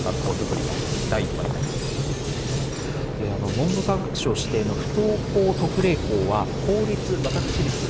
文部科学省指定の不登校特例校は公立私立合わせてですね